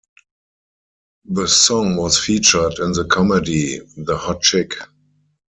The song was featured in the comedy "The Hot Chick".